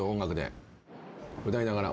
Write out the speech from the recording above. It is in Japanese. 歌いながら。